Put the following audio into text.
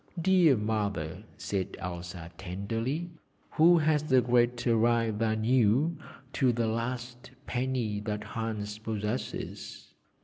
'Dear Mother,' said Elsa tenderly, 'who has a greater right than you to the last penny that Hans possesses?